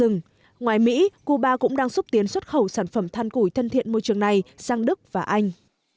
ngoài mỹ cuba cũng đang xúc tiến xuất khẩu sản phẩm than củi thân thiện môi trường này sang đức và anh